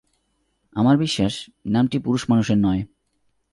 আমার বিশ্বাস নামটি পুরুষমানুষের নয়।